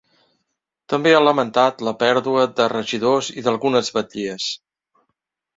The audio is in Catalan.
També ha lamentat la pèrdua de regidors i d’algunes batllies.